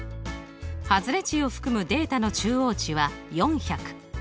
外れ値を含むデータの中央値は４００。